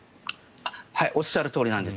おっしゃるとおりなんです。